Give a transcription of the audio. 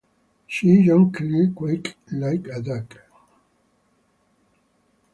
She jokingly quacked like a duck.